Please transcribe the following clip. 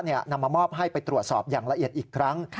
นำมามอบให้ไปตรวจสอบอย่างละเอียดอีกครั้ง